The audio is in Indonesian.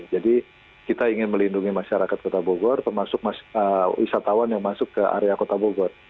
jadi kita ingin melindungi masyarakat kota bogor termasuk wisatawan yang masuk ke area kota bogor